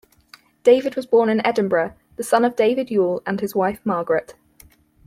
David was born in Edinburgh, the son of David Yule and his wife Margaret.